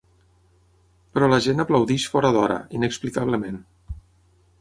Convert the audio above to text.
Però la gent aplaudeix fora d'hora, inexplicablement.